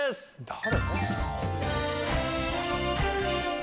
誰？